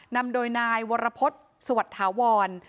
นำโดยนายวรพฤษสวัสดิ์ถาวร